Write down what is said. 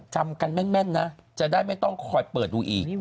จำกันแม่นนะจะได้ไม่ต้องคอยเปิดดูอีก